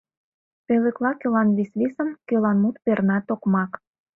Пӧлекла кӧлан висвисым, Кӧлан мут перна токмак.